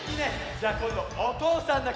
じゃあこんどおとうさんだけ！